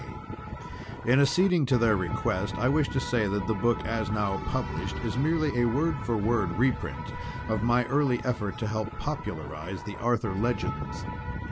T.K. In acceding to their request I wish to say that the book as now published is merely a word for word reprint of my early effort to help to popularise the Arthur legends.